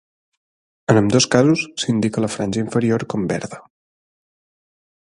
En ambdós casos s'indica la franja inferior com verda.